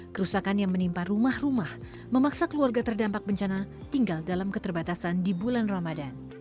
kerusakan yang menimpa rumah rumah memaksa keluarga terdampak bencana tinggal dalam keterbatasan di bulan ramadan